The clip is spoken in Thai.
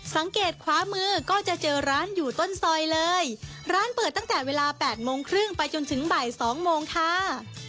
สังเกตขวามือก็จะเจอร้านอยู่ต้นซอยเลยร้านเปิดตั้งแต่เวลาแปดโมงครึ่งไปจนถึงบ่ายสองโมงค่ะ